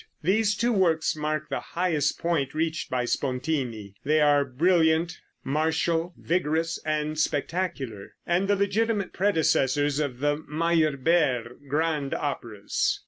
These two works mark the highest point reached by Spontini. They are brilliant, martial, vigorous and spectacular, and the legitimate predecessors of the Meyerbeer grand operas.